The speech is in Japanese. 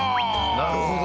なるほど！